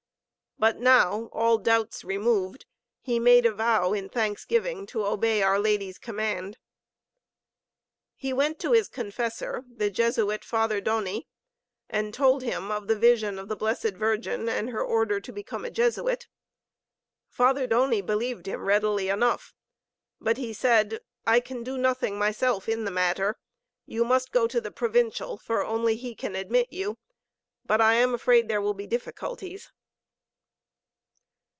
But now, all doubts removed, he made a vow in thanksgiving to obey our Lady's command. He went to his confessor, the Jesuit Father Doni, and told him of the vision of the Blessed Virgin and her order to become a Jesuit. Father Doni believed him readily enough, but he said: "I can do nothing myself in the matter. You must go to the Provincial, for only he can admit you. But I am afraid there will be difficulties."